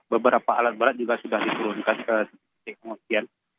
beberapa alat barat juga sudah disediakan